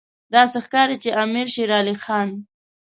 داسې ښکاري چې امیر شېر علي خان.